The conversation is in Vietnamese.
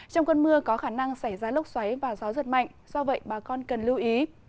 trong cơn mưa có khả năng xảy ra lốc xoáy và gió giật mạnh do vậy bà con cần lưu ý